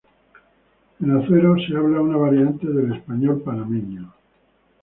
En Azuero se habla una variante del español panameño.